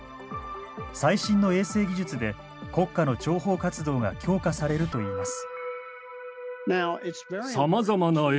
最新の衛星技術で国家の諜報活動が強化されるといいます。